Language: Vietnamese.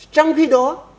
trong khi đó